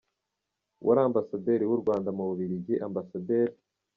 Uwari Ambasaderi w’u Rwanda mu Bubiligi, Amb.